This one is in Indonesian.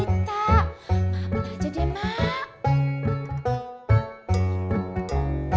maafin aja deh mak